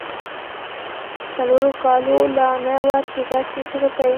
د څلورو کالو لا نه وه چي درس يې شروع کی.